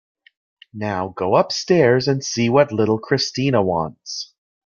Now go upstairs and see what little Christina wants.